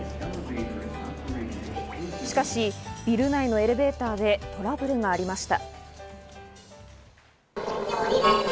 しかし、ビル内のエレベーターでトラブルがありました。